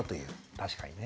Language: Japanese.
確かにね。